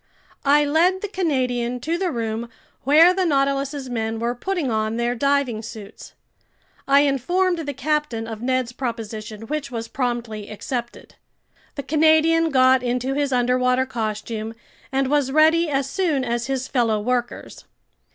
I led the Canadian to the room where the Nautilus's men were putting on their diving suits. I informed the captain of Ned's proposition, which was promptly accepted. The Canadian got into his underwater costume and was ready as soon as his fellow workers.